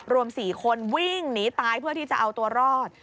รวม๔คนวิ่งหนีตายเพื่อที่จะเอาตัวรอด